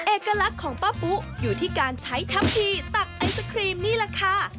เอกลักษณ์ของป้าปุ๊อยู่ที่การใช้ทัพทีตักไอศครีมนี่แหละค่ะ